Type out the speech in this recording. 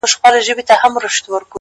ه زړه مي په سينه كي ساته _